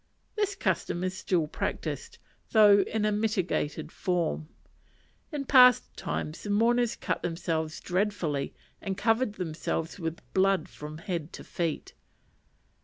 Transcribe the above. This custom is still practised, though in a mitigated form. In past times, the mourners cut themselves dreadfully, and covered themselves with blood from head to feet.